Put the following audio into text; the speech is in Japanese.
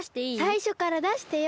さいしょからだしてよ。